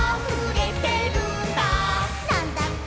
「なんだって」